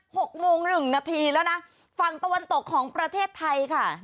หกโมงหนึ่งนาทีแล้วนะฝั่งตะวันตกของประเทศไทยค่ะ